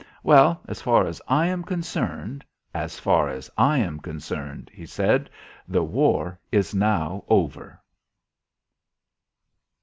"Well, as far as I am concerned as far as I am concerned," he said, "the war is now over."